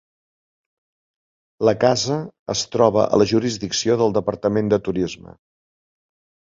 La casa es troba a la jurisdicció del Departament de turisme.